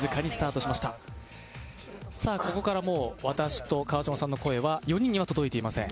ここから私と川島さんの声は４人には届いていません。